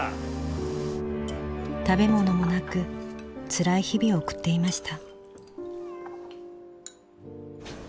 食べ物もなくつらい日々を送っていました